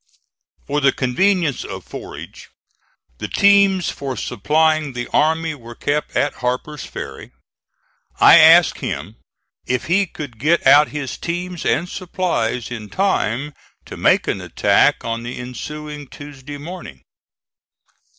For the conveniences of forage, the teams for supplying the army were kept at Harper's Ferry. I asked him if he could get out his teams and supplies in time to make an attack on the ensuing Tuesday morning.